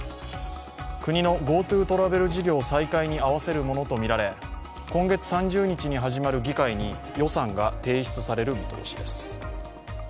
国のＧｏＴｏトラベル事業再開に合わせるものとみられ今月３０日に始まる議会に予算が提出される見通しです。